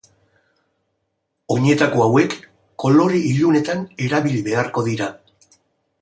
Oinetako hauek kolore ilunetan erabili beharko dira.